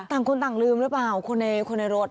ต่างคนต่างลืมรึเปล่าคนที่อยู่ในรถ